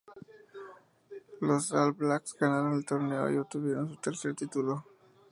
Los All Blacks ganaron el torneo y obtuvieron su tercer título.